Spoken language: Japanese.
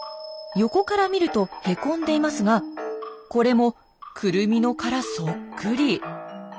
横から見るとへこんでいますがこれもクルミの殻そっくり。